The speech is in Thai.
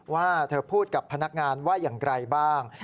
ว่าเธอพูดกับพนักงานว่าอย่างไรบ้าง